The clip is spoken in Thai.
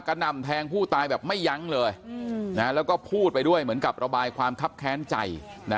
หน่ำแทงผู้ตายแบบไม่ยั้งเลยแล้วก็พูดไปด้วยเหมือนกับระบายความคับแค้นใจ